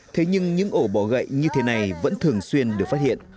thế nhưng những ổ bọ gậy như thế này vẫn thường xuyên được phát hiện